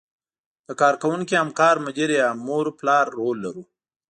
د کار کوونکي، همکار، مدیر یا مور او پلار رول لرو.